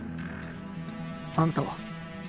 あんたは？